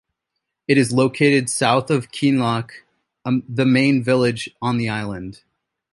It is located south of Kinloch, the main village on the island.